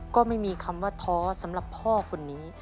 ก็ไม่มีคำว่าท้อสำหรับพ่อคนนี้